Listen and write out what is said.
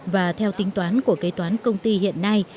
và theo tính toán của kế toán công ty hiện nay